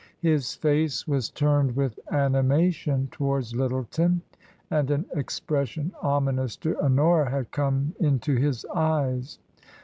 His face was turned with animation towards Lyttleton and an ex pression ominous to Honora had come into his eyes.